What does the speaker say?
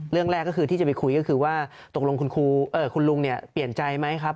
เรื่องแรกก็คือที่จะไปคุยก็คือว่าตกลงคุณลุงเนี่ยเปลี่ยนใจไหมครับ